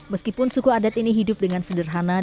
meskipun suku adat ini hidup dengan sederhana dan berkualitas